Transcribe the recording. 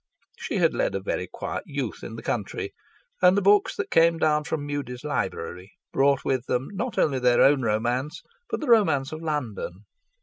She had led a very quiet youth in the country, and the books that came down from Mudie's Library brought with them not only their own romance, but the romance of London.